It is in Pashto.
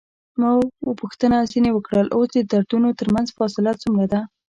ما پوښتنه ځنې وکړل: اوس د دردونو ترمنځ فاصله څومره ده؟